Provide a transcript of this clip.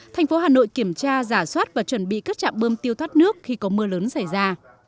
thành phố hà nội kiểm tra giả soát và chuẩn bị các trạm bơm tiêu thoát nước khi có mưa lớn xảy ra